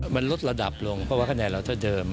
มันลดระดับลงเพราะว่าคะแนนเราเท่าเดิม